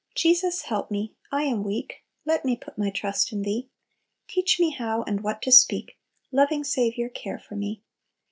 "Jesus, help me, I am weak; Let me put my trust in Thee; Teach me how and what to speak; Loving Saviour, care for me.